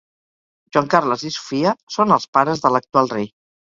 Joan Carles i Sofia són els pares de l'actual rei.